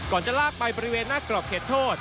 จะลากไปบริเวณหน้ากรอบเขตโทษ